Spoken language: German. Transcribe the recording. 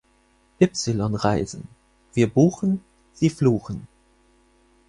Ypsilon Reisen: Wir buchen, Sie fluchen!